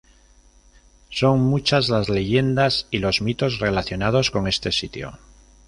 Son muchas las leyendas y los mitos relacionados con este sitio.